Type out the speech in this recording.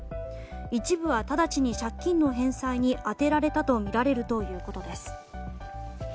一部は直ちに借金の返済に充てられたとみられるということです。